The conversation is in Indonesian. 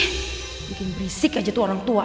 bikin berisik aja tuh orang tua